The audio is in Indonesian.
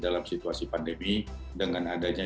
dalam situasi pandemi dengan adanya